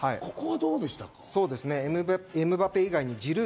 ここはどうでしたか？